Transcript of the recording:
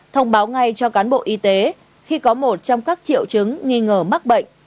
thông báo ngay cho cán bộ y tế khi có một trong các triệu chứng nghi ngờ mắc bệnh